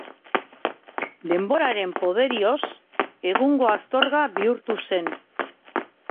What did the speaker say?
Denboraren poderioz, egungo Astorga bihurtu zen.